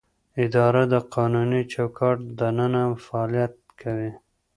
اداره د قانوني چوکاټ دننه فعالیت کوي.